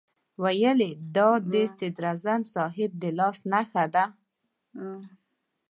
ویل یې دا د صدراعظم صاحب د لاس نښه ده.